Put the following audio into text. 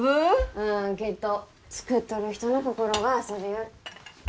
うんきっと作っとる人の心が遊びよる